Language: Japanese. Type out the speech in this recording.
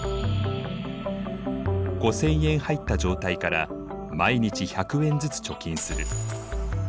５０００円入った状態から毎日１００円ずつ貯金する。